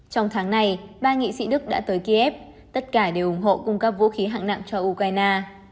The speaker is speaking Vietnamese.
trong tháng này ba nghị sĩ đức đã tới kiev tất cả đều ủng hộ cung cấp vũ khí hạng nặng cho ukraine